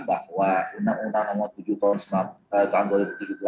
bahwa undang undang nomor tujuh tahun dua ribu tujuh belas